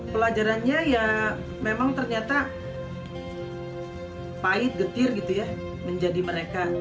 pelajarannya ya memang ternyata pahit getir gitu ya menjadi mereka